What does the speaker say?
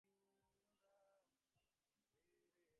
দারুণ costume, PB.